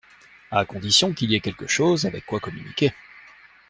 À condition qu’il y ait quelque chose avec quoi communiquer.